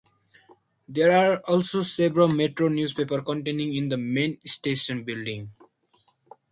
There are also several metro newspaper containers in the main station building.